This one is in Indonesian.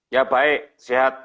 ya baik sehat